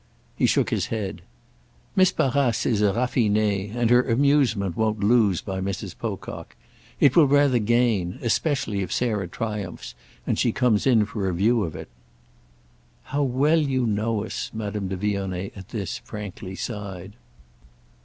He shook his head. "Miss Barrace is a raffinée, and her amusement won't lose by Mrs. Pocock. It will gain rather—especially if Sarah triumphs and she comes in for a view of it." "How well you know us!" Madame de Vionnet, at this, frankly sighed.